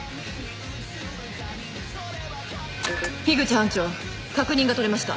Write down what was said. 口班長確認が取れました。